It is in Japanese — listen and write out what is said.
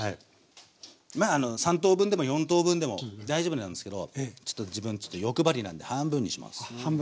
まああの３等分でも４等分でも大丈夫なんですけどちょっと自分ちょっと欲張りなんで半分にします。